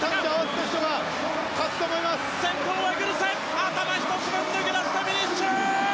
頭一つ分抜け出したフィニッシュ！